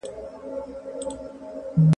زه اجازه لرم چي پاکوالی وکړم؟